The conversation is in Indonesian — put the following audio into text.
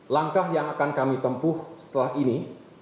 langkah yang akan kami tempuh setelah ini